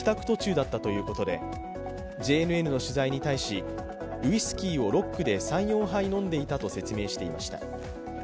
途中だったということでＪＮＮの取材に対しウイスキーをロックで３４杯飲んでいたと説明しました。